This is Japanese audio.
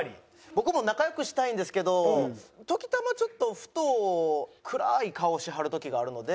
僕も仲良くしたいんですけど時たまちょっとふと暗い顔しはる時があるので。